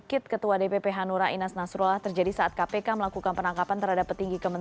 ketua dpp hanura inas nasrullah mengungkit kasus kardus durian yang pernah melibatkan cawapresiden bukan wakil presiden